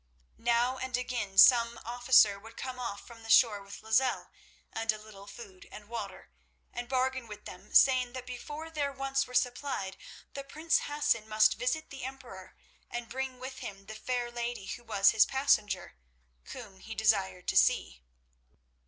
Now and again some officer would come off from the shore with Lozelle and a little food and water, and bargain with them, saying that before their wants were supplied the prince Hassan must visit the Emperor and bring with him the fair lady who was his passenger, whom he desired to see.